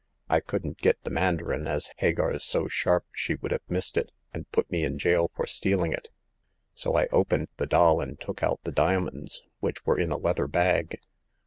I couldn't get the mandarin, as Hagar*s so sharp she would have missed it, and put me in jail for stealing it ; so I opened the doll, and took out the diamonds which were in a leather bag."